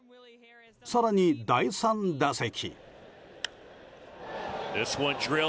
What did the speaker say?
更に、第３打席。